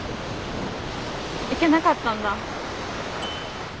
行けなかったんだ。